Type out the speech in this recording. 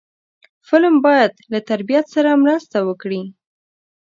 فلم باید له تربیت سره مرسته وکړي